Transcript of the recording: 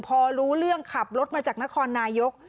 พอรู้เรื่องขับรถมาจากนครนายก